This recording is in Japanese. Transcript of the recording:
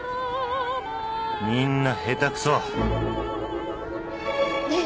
みんな下手クソ！ねえ